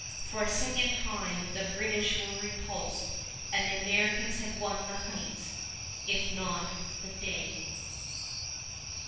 For a second time the British were repulsed, and the Americans had won the Heights, if not the day.